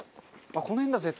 この辺だ絶対。